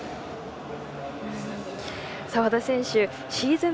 澤田選手シーズン